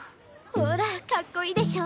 ほらかっこいいでしょ。